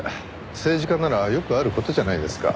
政治家ならよくある事じゃないですか。